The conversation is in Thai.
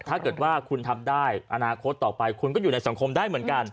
ถ้าเกิดว่าคุณทำได้อนาคตต่อไปคุณก็อยู่ในสังคมได้เหมือนกัน